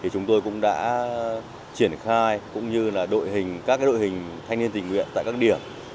chúng tôi cũng đã triển khai các đội hình thanh niên tình nguyện tại các điểm